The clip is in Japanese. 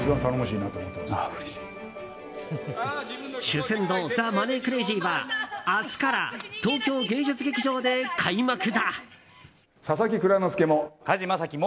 「守銭奴ザ・マネー・クレイジー」は明日から東京芸術劇場で開幕だ。